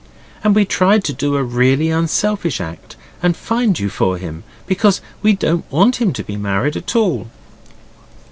And we tried to do a really unselfish act and find you for him. Because we don't want him to be married at all.